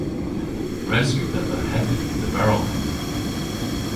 Res yw dhedha hedhi leverel henna.